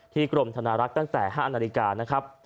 ที่กรมธนรักษณ์ตั้งแต่๕นาฬิกา